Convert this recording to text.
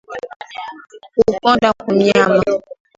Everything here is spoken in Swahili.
Kukonda kwa mnyama